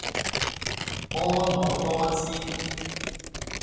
婀娜多姿